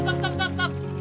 tidak tidak tidak